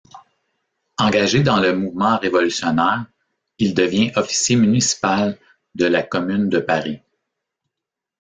Engagé dans le mouvement révolutionnaire, il devient officier municipal de la Commune de Paris.